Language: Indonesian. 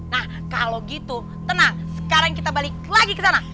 nah kalau gitu tenang sekarang kita balik lagi ke sana